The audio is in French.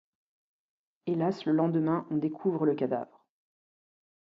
Hélas le lendemain on découvre le cadavre...